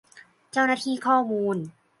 เจ้าหน้าที่ข้อมูล